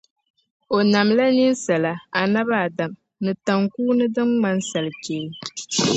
O namla ninsala Annabi Adam ni taŋkuuni din ŋmani salichee.